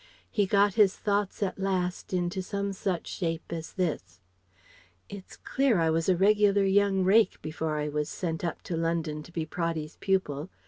He got his thoughts at last into some such shape as this: "It's clear I was a regular young rake before I was sent up to London to be Praddy's pupil.